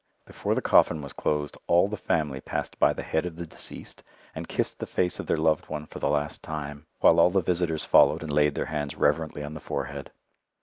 Before the coffin was closed all the family passed by the head of the deceased and kissed the face of their loved one for the last time, while all the visitors followed and laid their hands reverently on the forehead.